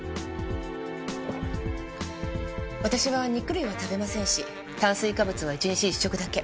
私は肉類は食べませんし炭水化物は一日一食だけ。